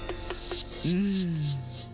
うん。